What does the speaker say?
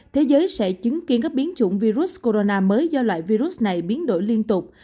thế giới sẽ chứng kiến các biến chủng virus corona mới do loại virus này biến đổi liên tục